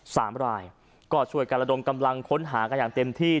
สามรายก็ช่วยกันระดมกำลังค้นหากันอย่างเต็มที่